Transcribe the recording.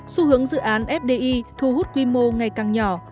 xu hướng dự án fdi thu hút quy mô ngày càng nhỏ